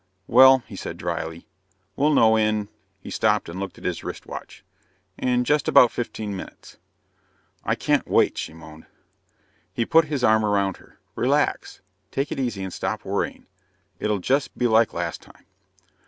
"Well," he said drily, "we'll know in " he stopped and looked at his wristwatch "in just about fifteen minutes." "I can't wait," she moaned. He put his arm around her. "Relax. Take it easy and stop worrying. It'll just be like last time."